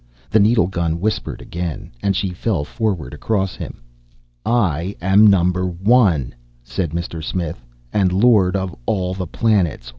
The needle gun whispered again, and she fell forward across him. "I am Number One," said Mr. Smith, "and Lord of all the planets.